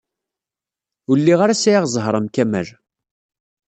Ur lliɣ ara sɛiɣ zzheṛ am Kamal.